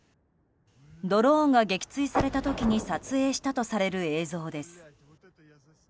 ドローンが撃墜された時に撮影したとする映像です。